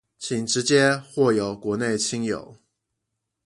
請直接或由國內親友